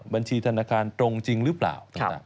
บัญชีธนาคารตรงจริงหรือเปล่า